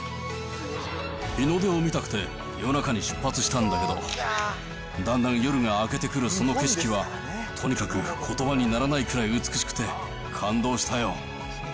日の出を見たくて、夜中に出発したんだけど、だんだん夜が明けてくるその景色は、とにかくことばにならないくらい美しくて、感動したよ。